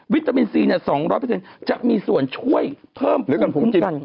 ตามินซี๒๐๐จะมีส่วนช่วยเพิ่มเงินทุน